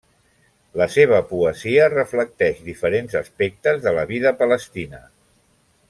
La seva poesia reflecteix diferents aspectes de la vida palestina.